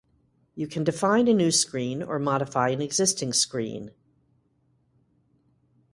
You can define a new screen or modify an existing screen.